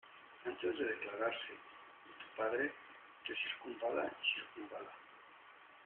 antes de declararse, y tu padre , que circunvala y circunvala